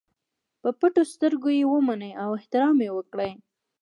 په پټو سترګو یې ومني او احترام یې وکړي.